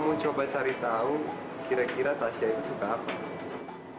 mau coba cari tahu kira kira tasya yang suka apa